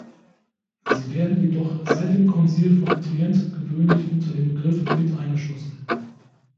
Sie werden jedoch seit dem Konzil von Trient gewöhnlich unter dem Begriff mit eingeschlossen.